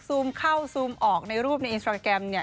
ซูมเข้าซูมออกในรูปในอินสตราแกรมเนี่ย